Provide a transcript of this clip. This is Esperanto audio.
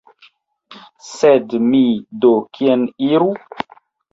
Sed mi do kien iru?